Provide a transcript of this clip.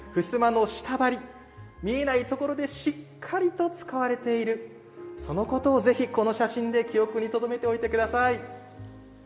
襖の下張り見えないところでしっかりと使われているそのことをぜひこの写真で記憶にとどめておいてください。